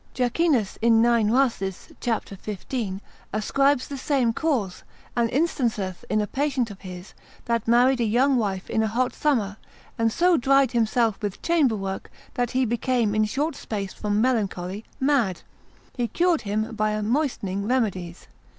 Jacchinus in 9 Rhasis, cap. 15, ascribes the same cause, and instanceth in a patient of his, that married a young wife in a hot summer, and so dried himself with chamber work, that he became in short space from melancholy, mad: he cured him by moistening remedies.